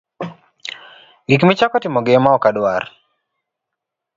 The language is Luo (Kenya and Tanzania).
Gik michako timogi ema ok adwar.